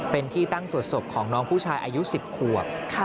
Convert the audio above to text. เป็นที่ตั้งสวดศพของน้องผู้ชายอายุ๑๐ขวบ